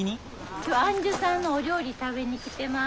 今日は庵主さんのお料理食べに来てます。